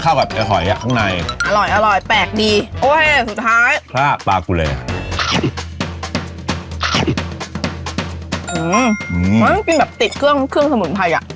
เขาจริงแบบติขึ้นเครื่องสมุนไทย